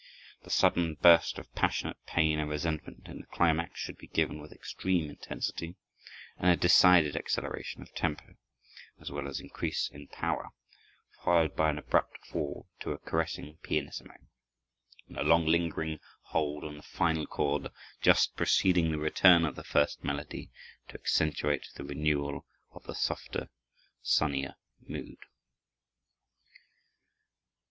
The sudden burst of passionate pain and resentment in the climax should be given with extreme intensity and a decided acceleration of tempo, as well as increase in power; followed by an abrupt fall to a caressing pianissimo, and a long lingering hold on the final chord just preceding the return of the first melody, to accentuate the renewal of the softer, sunnier mood.